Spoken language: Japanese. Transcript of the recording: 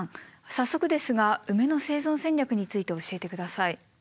早速ですがウメの生存戦略について教えて下さい。